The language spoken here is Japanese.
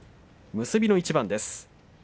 結びの一番です。